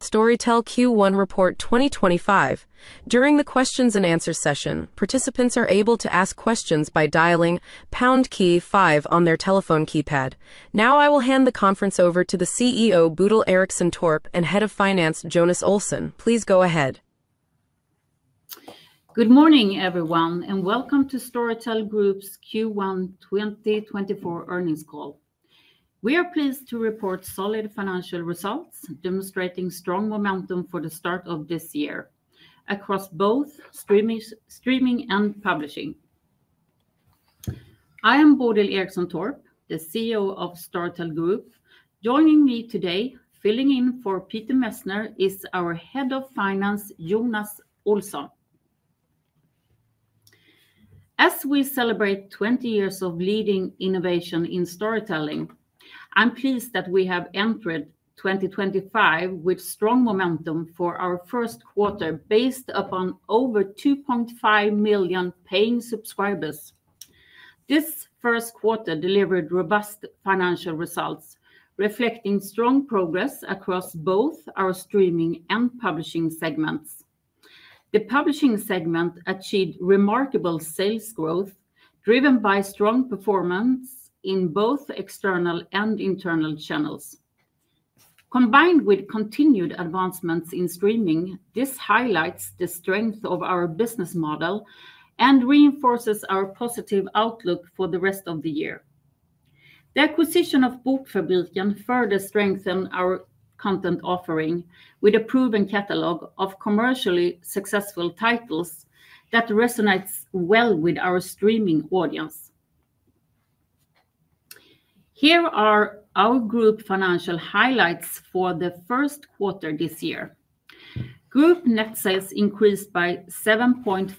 Storytel Q1 Report 2025. During the questions-and-answers session, participants are able to ask questions by dialing pound key five on their telephone keypad. Now I will hand the conference over to the CEO, Bodil Ericsson Torp, and Head of Finance, Jonas Olson. Please go ahead. Good morning, everyone, and welcome to Storytel Group's Q1 2024 earnings call. We are pleased to report solid financial results, demonstrating strong momentum for the start of this year across both streaming and publishing. I am Bodil Ericsson Torp, the CEO of Storytel Group. Joining me today, filling in for Peter Messner, is our Head of Finance, Jonas Olson. As we celebrate 20 years of leading innovation in storytelling, I'm pleased that we have entered 2024 with strong momentum for our first quarter based upon over 2.5 million paying subscribers. This first quarter delivered robust financial results, reflecting strong progress across both our streaming and publishing segments. The publishing segment achieved remarkable sales growth, driven by strong performance in both external and internal channels. Combined with continued advancements in streaming, this highlights the strength of our business model and reinforces our positive outlook for the rest of the year. The acquisition of Bokfabriken further strengthened our content offering with a proven catalog of commercially successful titles that resonates well with our streaming audience. Here are our group financial highlights for the first quarter this year. Group net sales increased by 7.4%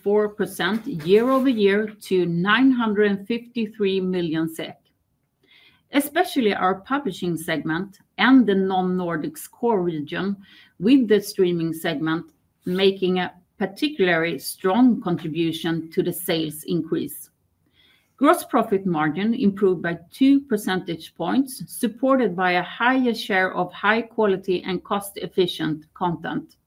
year-over-year to SEK 953 million. Especially our publishing segment and the non-Nordics core region, with the streaming segment making a particularly strong contribution to the sales increase. Gross profit margin improved by 2 percentage points, supported by a higher share of high-quality and cost-efficient content.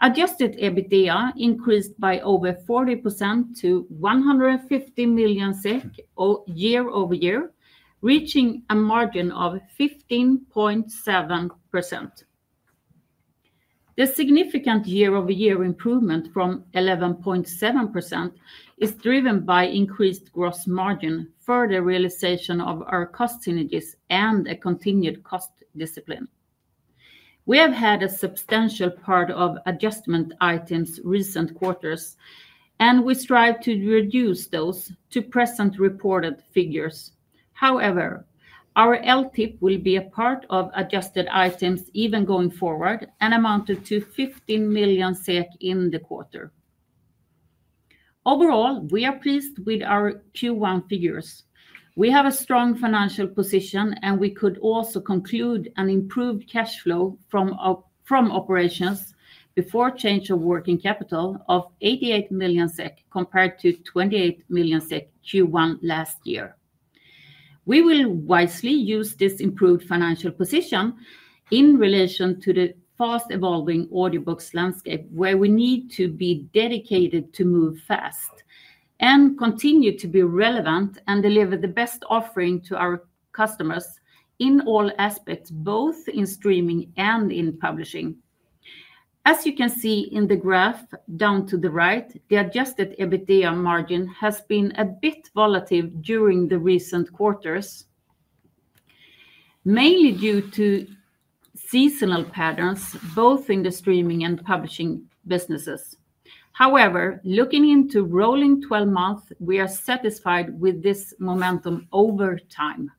Adjusted EBITDA increased by over 40% to 150 million year-over-year, reaching a margin of 15.7%. The significant year-over-year improvement from 11.7% is driven by increased gross margin, further realization of our cost synergies, and a continued cost discipline. We have had a substantial part of adjustment items recent quarters, and we strive to reduce those to present reported figures. However, our LTIP will be a part of adjusted items even going forward, an amount of 15 million SEK in the quarter. Overall, we are pleased with our Q1 figures. We have a strong financial position, and we could also conclude an improved cash flow from operations before change of working capital of 88 million SEK compared to 28 million SEK Q1 last year. We will wisely use this improved financial position in relation to the fast-evolving audiobooks landscape, where we need to be dedicated to move fast and continue to be relevant and deliver the best offering to our customers in all aspects, both in streaming and in publishing. As you can see in the graph down to the right, the adjusted EBITDA margin has been a bit volatile during the recent quarters, mainly due to seasonal patterns both in the streaming and publishing businesses. However, looking into rolling 12 months, we are satisfied with this momentum over time.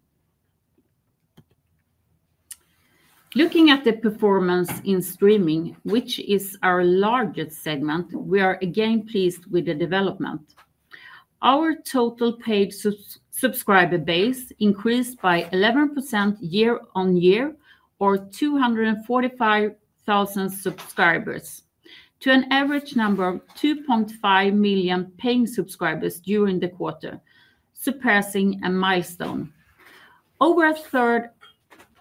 Looking at the performance in streaming, which is our largest segment, we are again pleased with the development. Our total paid subscriber base increased by 11% year-on-year, or 245,000 subscribers, to an average number of 2.5 million paying subscribers during the quarter, surpassing a milestone. Over a third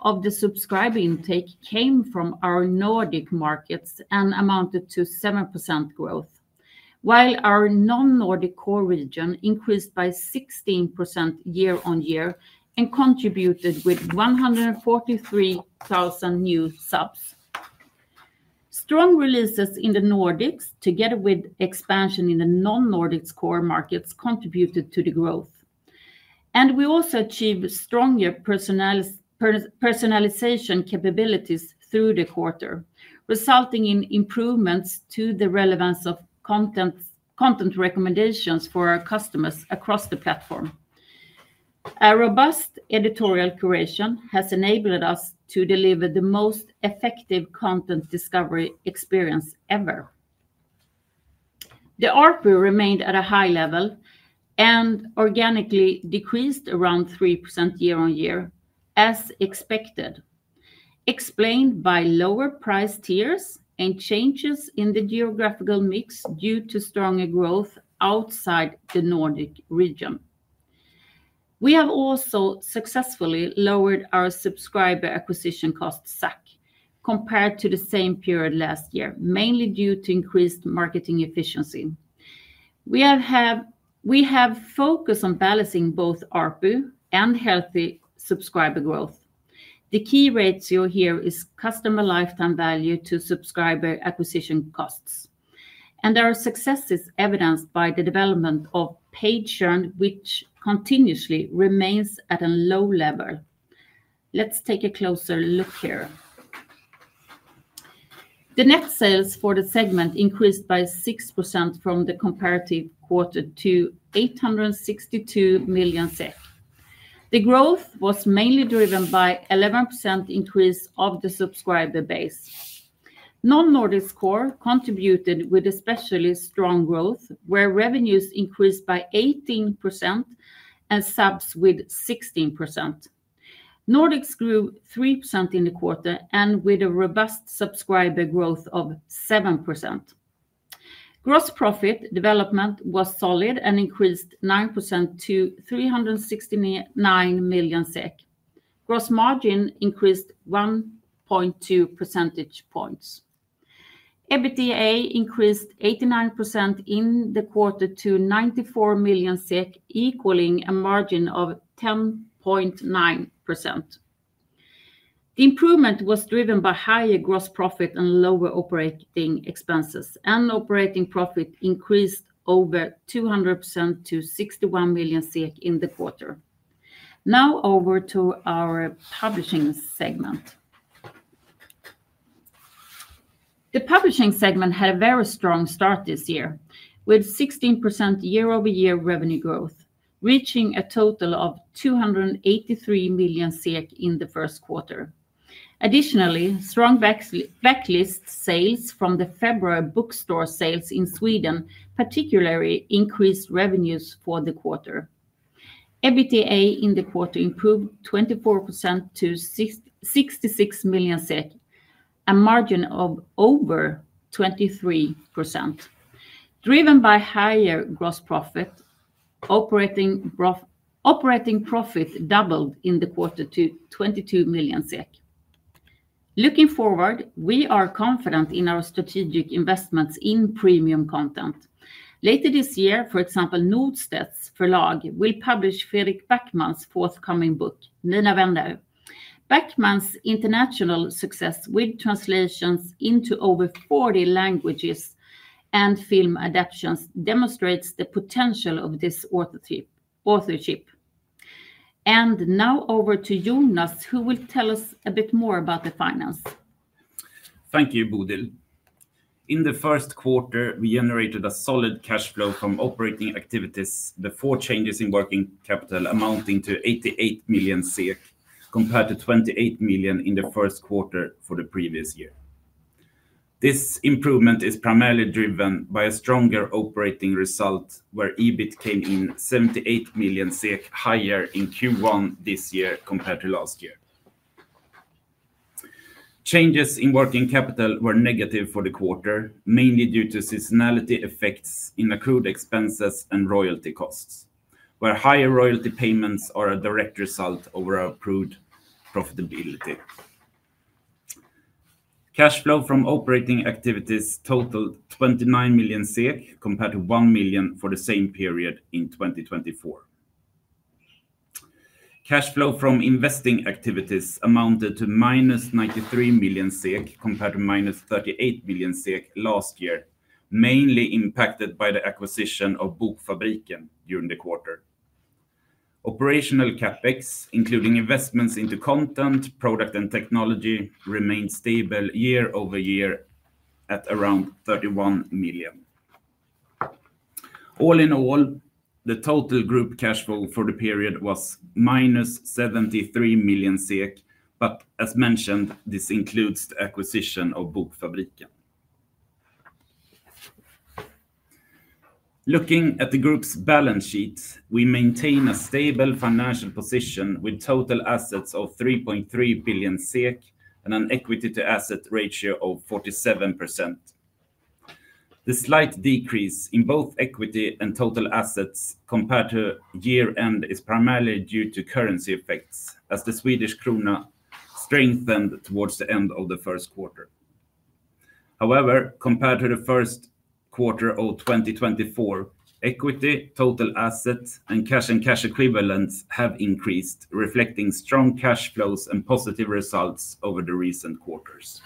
of the subscriber intake came from our Nordic markets and amounted to 7% growth, while our non-Nordic core region increased by 16% year-on-year and contributed with 143,000 new subs. Strong releases in the Nordics, together with expansion in the non-Nordic core markets, contributed to the growth. We also achieved stronger personalization capabilities through the quarter, resulting in improvements to the relevance of content recommendations for our customers across the platform. A robust editorial curation has enabled us to deliver the most effective content discovery experience ever. The ARPU remained at a high level and organically decreased around 3% year-on-year, as expected, explained by lower price tiers and changes in the geographical mix due to stronger growth outside the Nordic region. We have also successfully lowered our subscriber acquisition cost SAC compared to the same period last year, mainly due to increased marketing efficiency. We have focused on balancing both ARPU and healthy subscriber growth. The key ratio here is customer lifetime value to subscriber acquisition costs. Our success is evidenced by the development of paid churn, which continuously remains at a low level. Let's take a closer look here. The net sales for the segment increased by 6% from the comparative quarter to 862 million SEK. The growth was mainly driven by an 11% increase of the subscriber base. Non-Nordic core contributed with especially strong growth, where revenues increased by 18% and subs with 16%. Nordics grew 3% in the quarter and with a robust subscriber growth of 7%. Gross profit development was solid and increased 9% to 369 million SEK. Gross margin increased 1.2 percentage points. EBITDA increased 89% in the quarter to 94 million SEK, equaling a margin of 10.9%. The improvement was driven by higher gross profit and lower operating expenses. Operating profit increased over 200% to 61 million SEK in the quarter. Now over to our publishing segment. The publishing segment had a very strong start this year, with 16% year-over-year revenue growth, reaching a total of 283 million SEK in the first quarter. Additionally, strong backlist sales from the February bookstore sales in Sweden particularly increased revenues for the quarter. EBITDA in the quarter improved 24% to 66 million, a margin of over 23%. Driven by higher gross profit, operating profit doubled in the quarter to 22 million SEK. Looking forward, we are confident in our strategic investments in premium content. Later this year, for example, Norstedts förlag will publish Fredrik Backman's forthcoming book, Mina vänner. Backman's international success with translations into over 40 languages and film adaptations demonstrates the potential of this authorship. Now over to Jonas, who will tell us a bit more about the finance. Thank you, Bodil. In the first quarter, we generated a solid cash flow from operating activities before changes in working capital amounting to 88 million compared to 28 million in the first quarter for the previous year. This improvement is primarily driven by a stronger operating result, where EBIT came in 78 million SEK higher in Q1 this year compared to last year. Changes in working capital were negative for the quarter, mainly due to seasonality effects in accrued expenses and royalty costs, where higher royalty payments are a direct result of our accrued profitability. Cash flow from operating activities totaled 29 million compared to 1 million for the same period in 2024. Cash flow from investing activities amounted to -93 million SEK compared to -38 million SEK last year, mainly impacted by the acquisition of Bokfabriken during the quarter. Operational CapEx, including investments into content, product, and technology, remained stable year-over-year at around 31 million. All in all, the total group cash flow for the period was -73 million SEK, but as mentioned, this includes the acquisition of Bokfabriken. Looking at the group's balance sheet, we maintain a stable financial position with total assets of 3.3 billion SEK and an equity-to-asset ratio of 47%. The slight decrease in both equity and total assets compared to year-end is primarily due to currency effects, as the Swedish krona strengthened towards the end of the first quarter. However, compared to the first quarter of 2024, equity, total assets, and cash and cash equivalents have increased, reflecting strong cash flows and positive results over the recent quarters.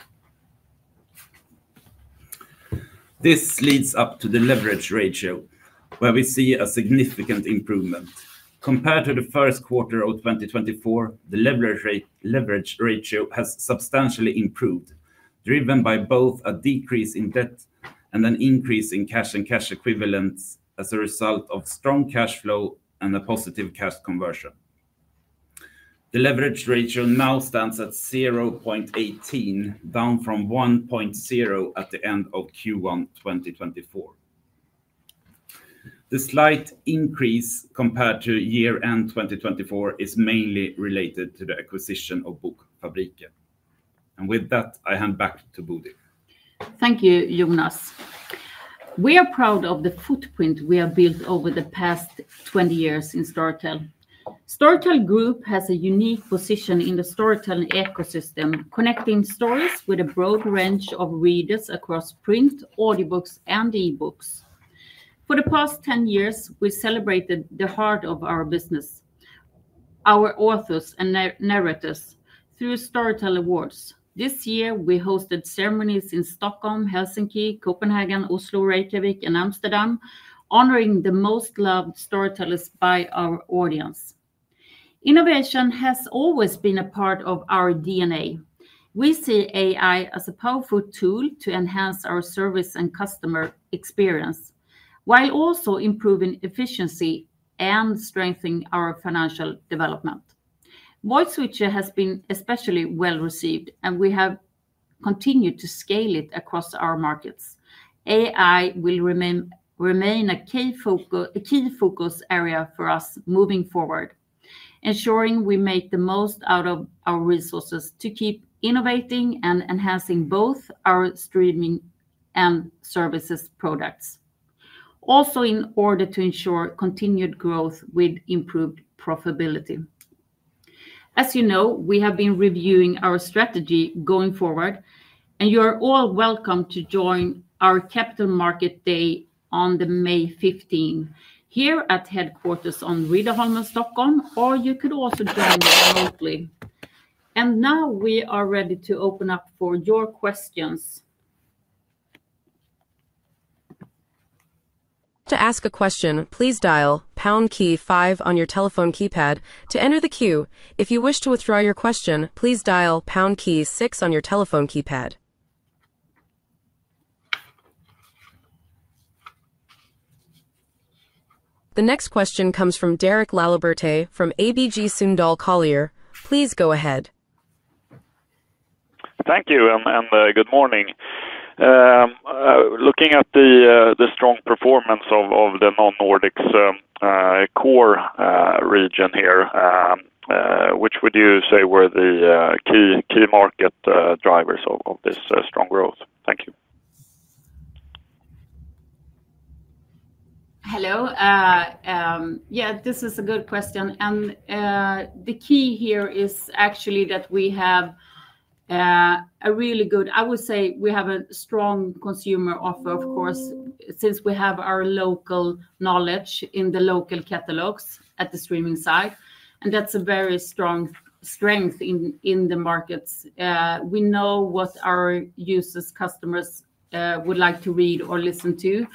This leads up to the leverage ratio, where we see a significant improvement. Compared to the first quarter of 2024, the leverage ratio has substantially improved, driven by both a decrease in debt and an increase in cash and cash equivalents as a result of strong cash flow and a positive cash conversion. The leverage ratio now stands at 0.18, down from 1.0 at the end of Q1 2024. The slight increase compared to year-end 2024 is mainly related to the acquisition of Bokfabriken. With that, I hand back to Bodil. Thank you, Jonas. We are proud of the footprint we have built over the past 20 years in Storytel. Storytel Group has a unique position in the Storytel ecosystem, connecting stories with a broad range of readers across print, audiobooks, and e-books. For the past 10 years, we celebrated the heart of our business, our authors and narrators, through Storytel Awards. This year, we hosted ceremonies in Stockholm, Helsinki, Copenhagen, Oslo, Reykjavik, and Amsterdam, honoring the most loved Storytelists by our audience. Innovation has always been a part of our DNA. We see AI as a powerful tool to enhance our service and customer experience, while also improving efficiency and strengthening our financial development. Voice Switcher has been especially well received, and we have continued to scale it across our markets. AI will remain a key focus area for us moving forward, ensuring we make the most out of our resources to keep innovating and enhancing both our streaming and services products, also in order to ensure continued growth with improved profitability. As you know, we have been reviewing our strategy going forward, and you are all welcome to join our Capital Market Day on May 15 here at headquarters on Riddarholmen Stockholm, or you could also join remotely. We are ready to open up for your questions. To ask a question, please dial pound key five on your telephone keypad to enter the queue. If you wish to withdraw your question, please dial pound key six on your telephone keypad. The next question comes from Derek Laliberté from ABG Sundal Collier. Please go ahead. Thank you and good morning. Looking at the strong performance of the non-Nordics core region here, which would you say were the key market drivers of this strong growth? Thank you. Hello. Yeah, this is a good question. The key here is actually that we have a really good, I would say we have a strong consumer offer, of course, since we have our local knowledge in the local catalogs at the streaming side. That is a very strong strength in the markets. We know what our users, customers, would like to read or listen to.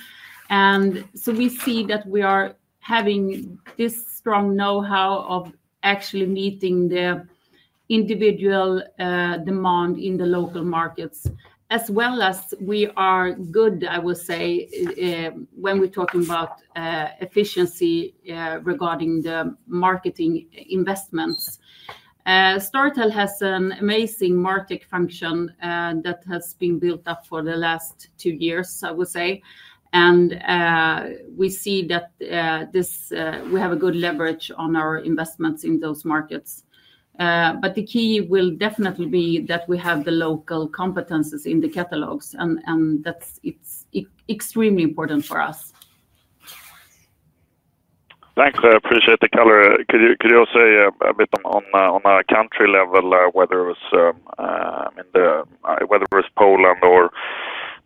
We see that we are having this strong know-how of actually meeting the individual demand in the local markets, as well as we are good, I would say, when we're talking about efficiency regarding the marketing investments. Storytel has an amazing market function that has been built up for the last two years, I would say. We see that we have a good leverage on our investments in those markets. The key will definitely be that we have the local competencies in the catalogs, and that's extremely important for us. Thanks. I appreciate the color. Could you also say a bit on a country level, whether it was Poland or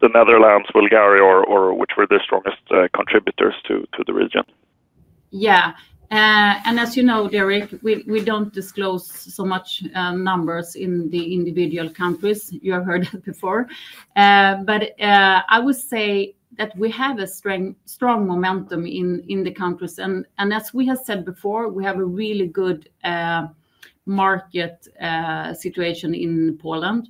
the Netherlands, Bulgaria, which were the strongest contributors to the region? Yeah. As you know, Derek, we do not disclose so much numbers in the individual countries. You have heard that before. I would say that we have a strong momentum in the countries. As we have said before, we have a really good market situation in Poland.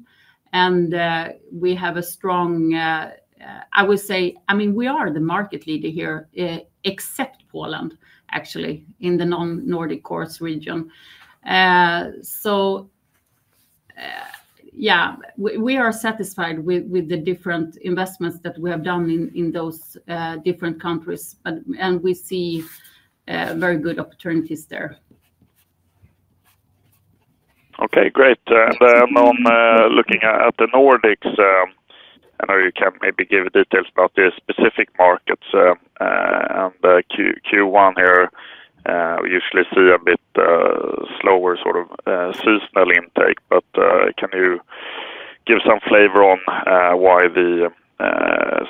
We have a strong, I would say, I mean, we are the market leader here, except Poland, actually, in the non-Nordic core region. Yeah, we are satisfied with the different investments that we have done in those different countries. We see very good opportunities there. Okay, great. Looking at the Nordics, I know you can maybe give details about the specific markets. In Q1 here, we usually see a bit slower sort of seasonal intake. Can you give some flavor on why the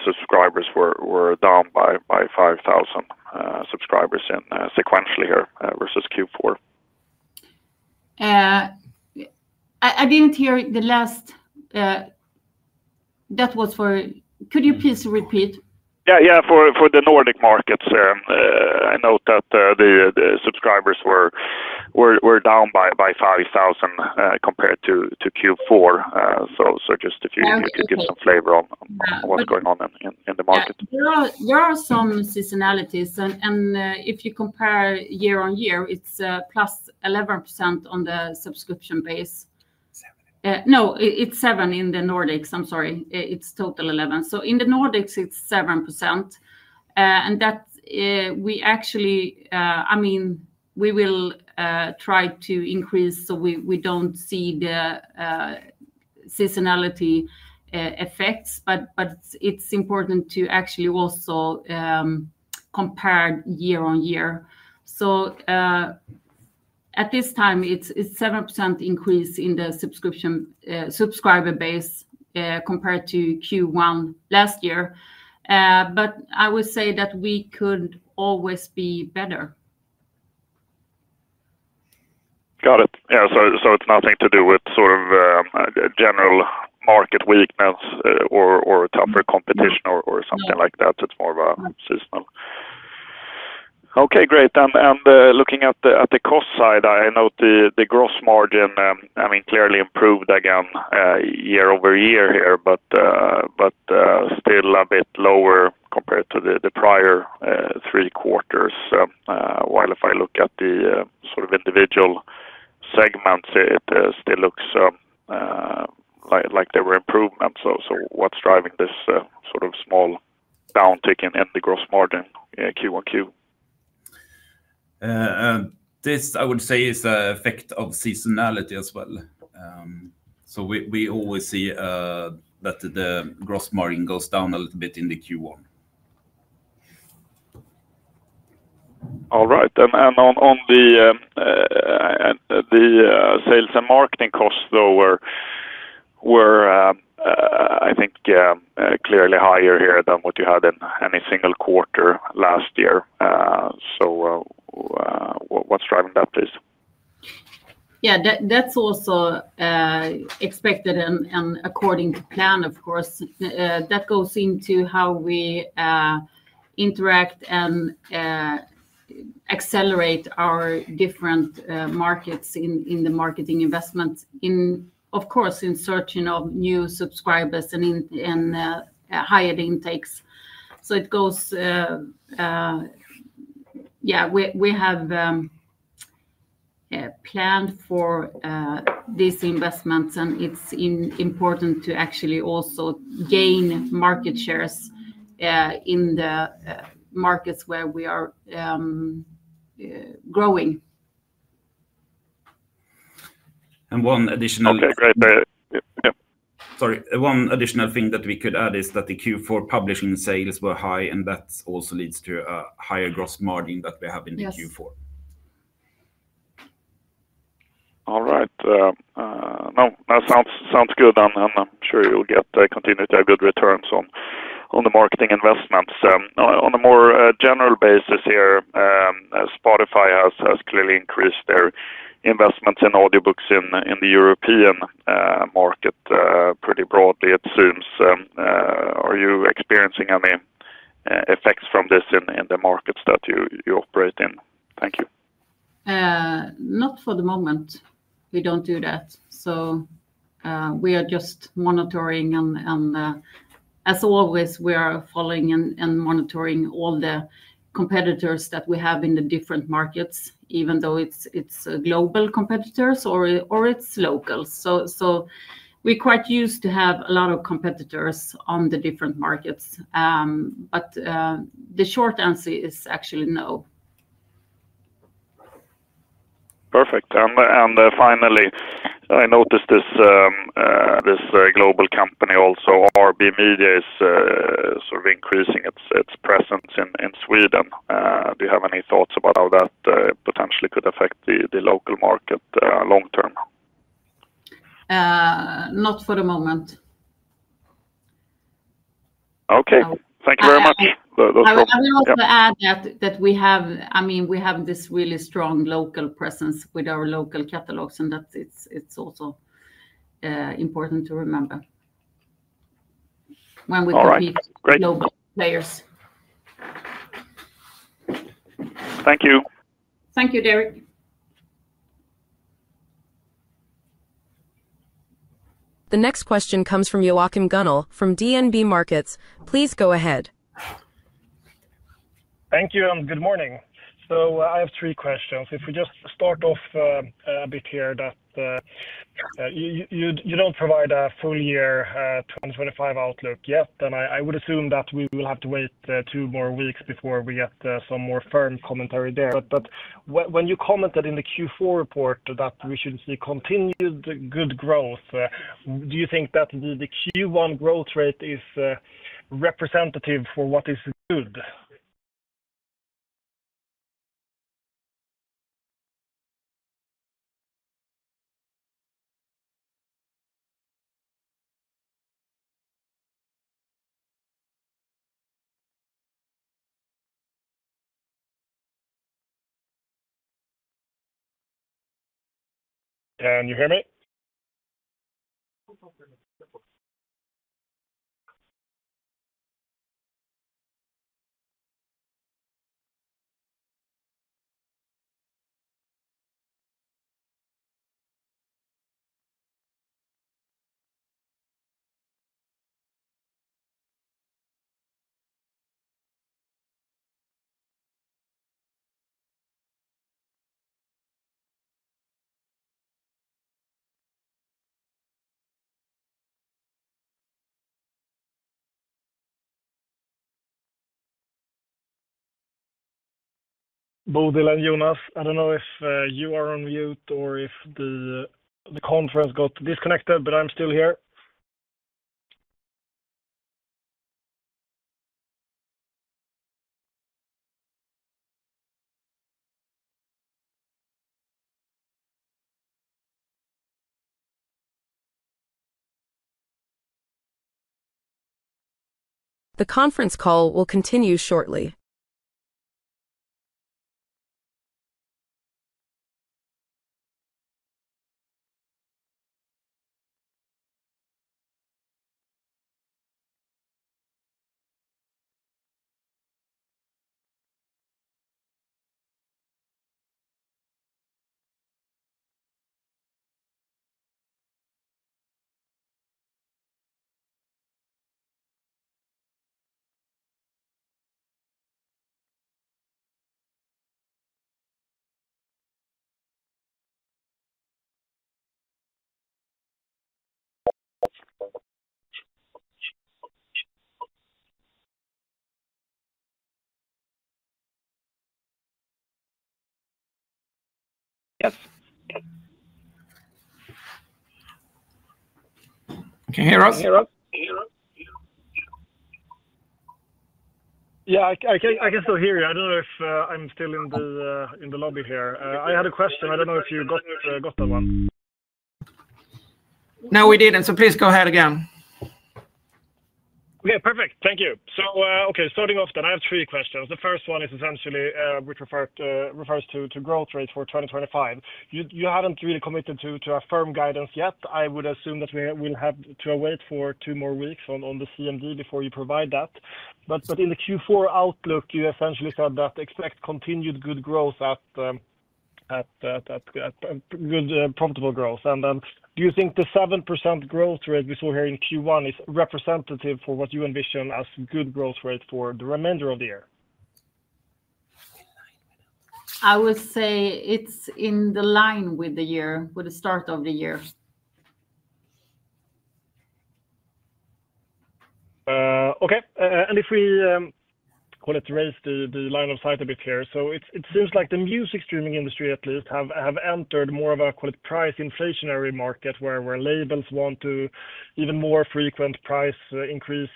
subscribers were down by 5,000 subscribers sequentially here versus Q4? I didn't hear the last. That was for, could you please repeat? Yeah, yeah, for the Nordic markets, I note that the subscribers were down by 5,000 compared to Q4. If you could give some flavor on what's going on in the market. There are some seasonalities. If you compare year-on-year, it is +11% on the subscription base. No, it is 7 in the Nordics. I am sorry. It is total 11. In the Nordics, it is 7%. That we actually, I mean, we will try to increase so we do not see the seasonality effects. It is important to actually also compare year-on-year. At this time, it is a 7% increase in the subscriber base compared to Q1 last year. I would say that we could always be better. Got it. Yeah, so it's nothing to do with sort of general market weakness or tougher competition or something like that. It's more of a seasonal. Okay, great. Looking at the cost side, I note the gross margin, I mean, clearly improved again year-over-year here, but still a bit lower compared to the prior three quarters. While if I look at the sort of individual segments, it still looks like there were improvements. What's driving this sort of small downtick in the gross margin Q1? This, I would say, is the effect of seasonality as well. We always see that the gross margin goes down a little bit in the Q1. All right. On the sales and marketing costs, though, were I think clearly higher here than what you had in any single quarter last year. What is driving that, please? Yeah, that's also expected and according to plan, of course. That goes into how we interact and accelerate our different markets in the marketing investment, of course, in searching of new subscribers and higher intakes. We have planned for these investments, and it's important to actually also gain market shares in the markets where we are growing. One additional. Okay, great. Yeah. Sorry. One additional thing that we could add is that the Q4 publishing sales were high, and that also leads to a higher gross margin that we have in the Q4. All right. No, that sounds good. I am sure you'll get continued good returns on the marketing investments. On a more general basis here, Spotify has clearly increased their investments in audiobooks in the European market pretty broadly, it seems. Are you experiencing any effects from this in the markets that you operate in? Thank you. Not for the moment. We do not do that. We are just monitoring. As always, we are following and monitoring all the competitors that we have in the different markets, even though it is global competitors or it is locals. We are quite used to having a lot of competitors on the different markets. The short answer is actually no. Perfect. Finally, I noticed this global company, also RBmedia, is sort of increasing its presence in Sweden. Do you have any thoughts about how that potentially could affect the local market long-term? Not for the moment. Okay. Thank you very much. I also add that we have, I mean, we have this really strong local presence with our local catalogs, and that it's also important to remember when we compete with local players. All right. Great. Thank you. Thank you, Derek. The next question comes from Joachim Gunell from DNB Markets. Please go ahead. Thank you and good morning. I have three questions. If we just start off a bit here that you do not provide a full-year 2025 outlook yet, then I would assume that we will have to wait two more weeks before we get some more firm commentary there. When you commented in the Q4 report that we should see continued good growth, do you think that the Q1 growth rate is representative for what is good? Can you hear me? Bodil and Jonas, I don't know if you are on mute or if the conference got disconnected, but I'm still here. The conference call will continue shortly. Yes. Can you hear us? Yeah, I can still hear you. I do not know if I am still in the lobby here. I had a question. I do not know if you got that one. No, we did not. Please go ahead again. Okay, perfect. Thank you. Okay, starting off then, I have three questions. The first one is essentially which refers to growth rate for 2025. You have not really committed to a firm guidance yet. I would assume that we will have to wait for two more weeks on the CMD before you provide that. In the Q4 outlook, you essentially said that expect continued good growth, good profitable growth. Do you think the 7% growth rate we saw here in Q1 is representative for what you envision as good growth rate for the remainder of the year? I would say it's in the line with the year, with the start of the year. Okay. If we call it raise the line of sight a bit here. It seems like the music streaming industry, at least, has entered more of a price inflationary market where labels want even more frequent price increases.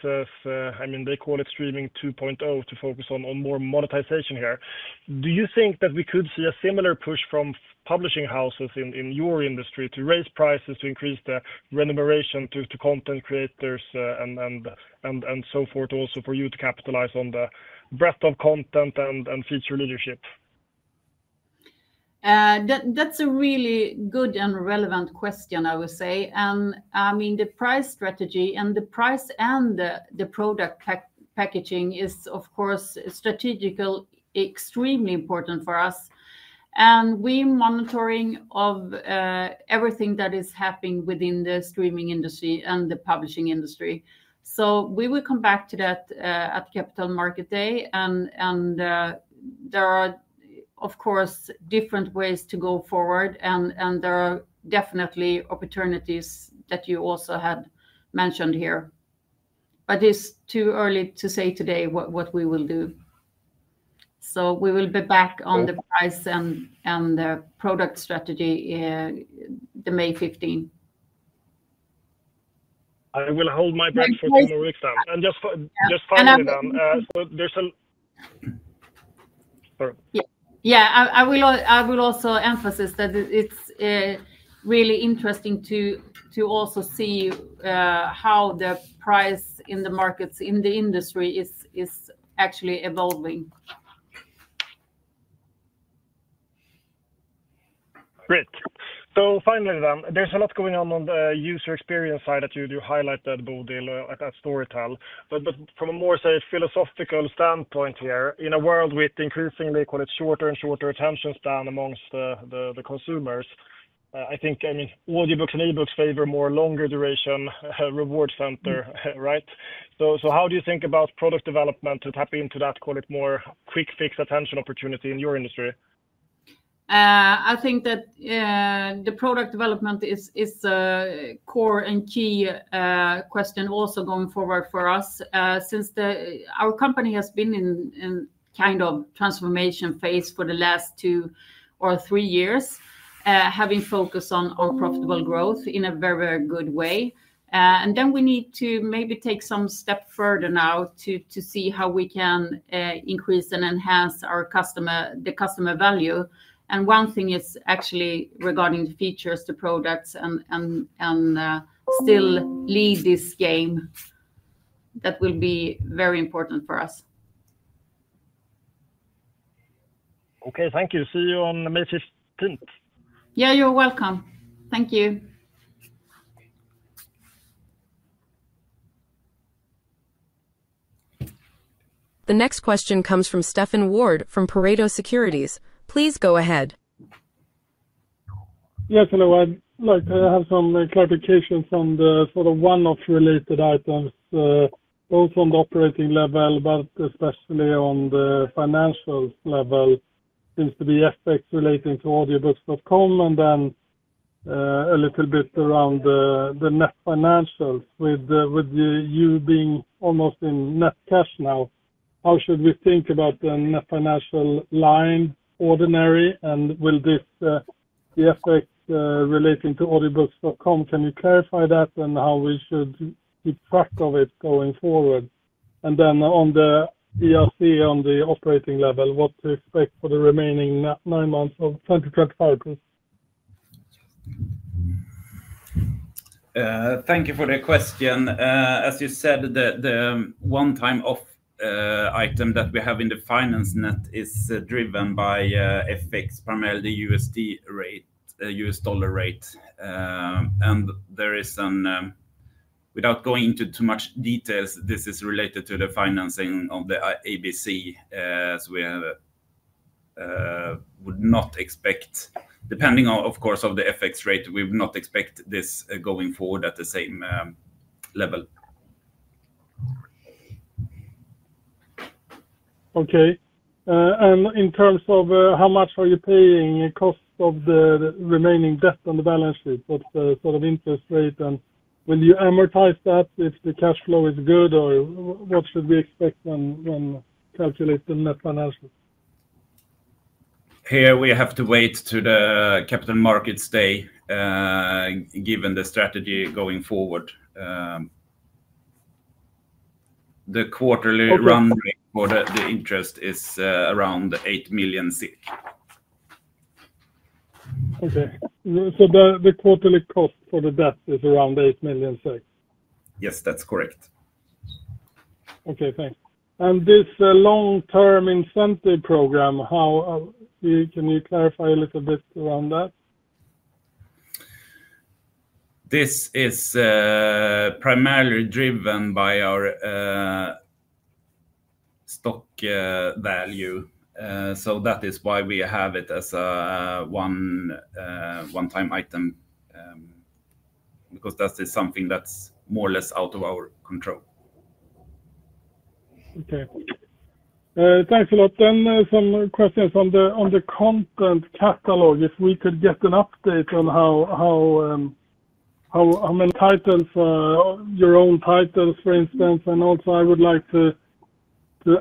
I mean, they call it streaming 2.0 to focus on more monetization here. Do you think that we could see a similar push from publishing houses in your industry to raise prices, to increase the remuneration to content creators and so forth, also for you to capitalize on the breadth of content and feature leadership? That's a really good and relevant question, I would say. I mean, the price strategy and the price and the product packaging is, of course, strategically extremely important for us. We are monitoring everything that is happening within the streaming industry and the publishing industry. We will come back to that at Capital Market Day. There are, of course, different ways to go forward. There are definitely opportunities that you also had mentioned here. It's too early to say today what we will do. We will be back on the price and the product strategy the May 15. I will hold my breath for two more weeks. Just finally, then, there's a. Yeah, I will also emphasize that it's really interesting to also see how the price in the markets, in the industry, is actually evolving. Great. Finally, there is a lot going on on the user experience side that you highlighted, Bodil, at Storytel. From a more philosophical standpoint here, in a world with increasingly, call it, shorter and shorter attention span amongst the consumers, I think, I mean, audiobooks and e-books favor more longer duration reward center, right? How do you think about product development to tap into that, call it, more quick fix attention opportunity in your industry? I think that the product development is a core and key question also going forward for us. Since our company has been in kind of transformation phase for the last two or three years, having focused on profitable growth in a very, very good way. We need to maybe take some step further now to see how we can increase and enhance the customer value. One thing is actually regarding the features, the products, and still lead this game. That will be very important for us. Okay, thank you. See you on May 15th. Yeah, you're welcome. Thank you. The next question comes from Stefan Wård from Pareto Securities. Please go ahead. Yes, hello. I have some clarifications on the sort of one-off related items, both on the operating level, but especially on the financial level. Seems to be FX relating to Audiobooks.com and then a little bit around the net financials. With you being almost in net cash now, how should we think about the net financial line ordinary? Will this be FX relating to Audiobooks.com? Can you clarify that and how we should keep track of it going forward? On the ERC, on the operating level, what to expect for the remaining nine months of 2025? Thank you for the question. As you said, the one-time off item that we have in the finance net is driven by FX, primarily the USD rate, U.S. dollar rate. There is an, without going into too much detail, this is related to the financing of the ABC, as we would not expect, depending, of course, on the FX rate, we would not expect this going forward at the same level. Okay. In terms of how much are you paying costs of the remaining debt on the balance sheet? What is the sort of interest rate? Will you amortize that if the cash flow is good? What should we expect when calculating net financials? Here, we have to wait to the capital markets day, given the strategy going forward. The quarterly run rate for the interest is around 8 million. Okay. The quarterly cost for the debt is around 8 million? Yes, that's correct. Okay, thanks. This long-term incentive program, can you clarify a little bit around that? This is primarily driven by our stock value. That is why we have it as a one-time item, because that is something that's more or less out of our control. Okay. Thanks a lot. Some questions on the content catalog, if we could get an update on how many titles, your own titles, for instance. I would like to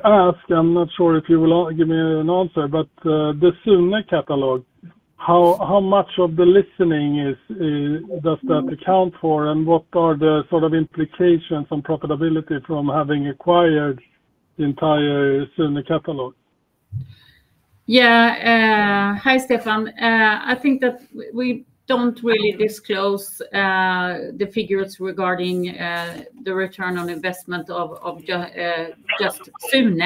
ask, I am not sure if you will give me an answer, but the Sune catalog, how much of the listening does that account for? What are the sort of implications on profitability from having acquired the entire Sune catalog? Yeah. Hi, Stefan. I think that we do not really disclose the figures regarding the return on investment of just Sune.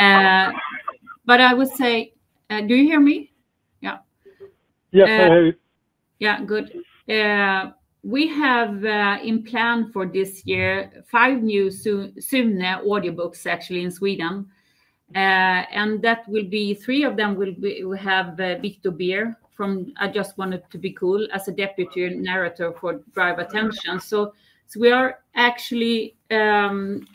I would say, do you hear me? Yeah. Yes, I hear you. Yeah, good. We have in plan for this year, five new Sune audiobooks, actually, in Sweden. That will be three of them will have Victor Beer from IJustWantToBeCool as a deputy narrator for Drive Attention. We are actually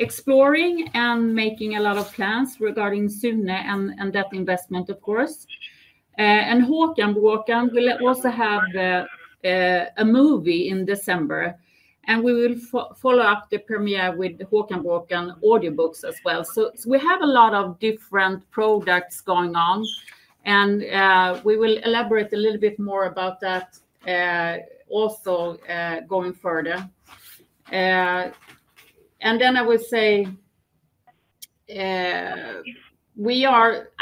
exploring and making a lot of plans regarding Sune and that investment, of course. Håkan Bråkan will also have a movie in December. We will follow up the premiere with Håkan Bråkan audiobooks as well. We have a lot of different products going on. We will elaborate a little bit more about that also going further. I would say, I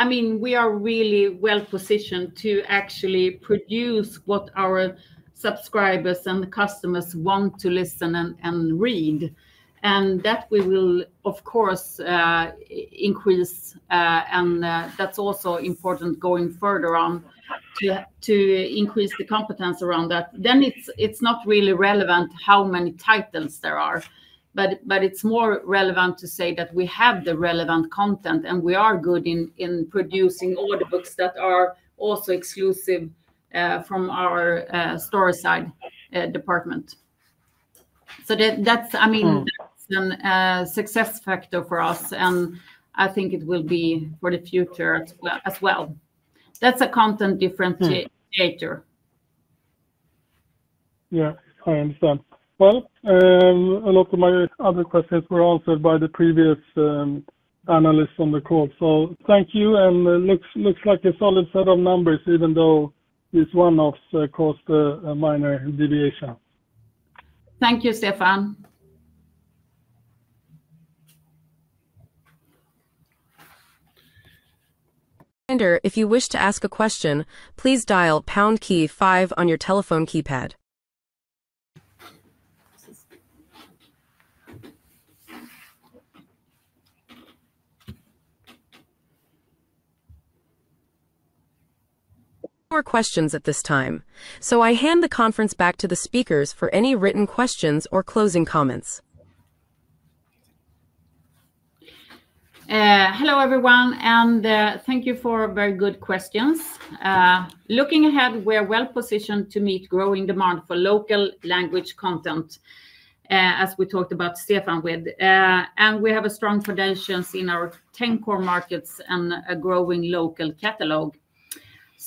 mean, we are really well positioned to actually produce what our subscribers and customers want to listen and read. That we will, of course, increase. That is also important going further on to increase the competence around that. It is not really relevant how many titles there are. It is more relevant to say that we have the relevant content and we are good in producing audiobooks that are also exclusive from our Storyside department. I mean, that is a success factor for us. I think it will be for the future as well. That is a content differentiator. Yeah, I understand. A lot of my other questions were answered by the previous analysts on the call. Thank you. It looks like a solid set of numbers, even though this one-off caused a minor deviation. Thank you, Stefan. If you wish to ask a question, please dial pound key five on your telephone keypad. No more questions at this time. I hand the conference back to the speakers for any written questions or closing comments. Hello, everyone. Thank you for very good questions. Looking ahead, we are well positioned to meet growing demand for local language content, as we talked about, Stefan, with. We have strong foundations in our 10 core markets and a growing local catalog.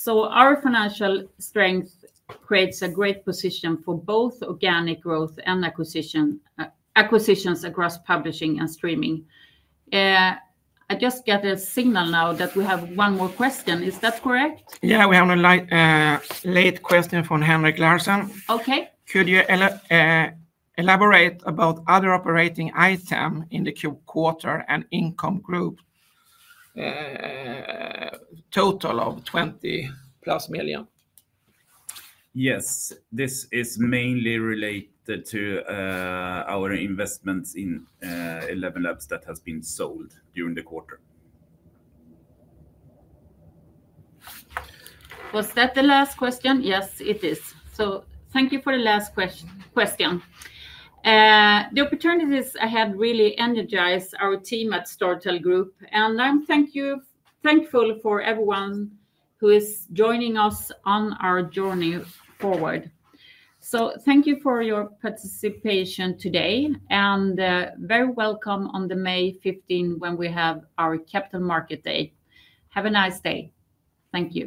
Our financial strength creates a great position for both organic growth and acquisitions across publishing and streaming. I just got a signal now that we have one more question. Is that correct? Yeah, we have a late question from Henrik Larsen. Okay. Could you elaborate about other operating items in the quarter and income group, total of 20+ million? Yes. This is mainly related to our investments in ElevenLabs that have been sold during the quarter. Was that the last question? Yes, it is. Thank you for the last question. The opportunities ahead really energize our team at Storytel Group. I'm thankful for everyone who is joining us on our journey forward. Thank you for your participation today. You are very welcome on the May 15 when we have our Capital Market Day. Have a nice day. Thank you.